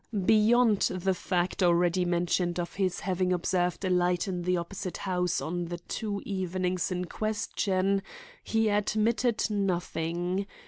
Beyond the fact already mentioned of his having observed a light in the opposite house on the two evenings in question, he admitted nothing.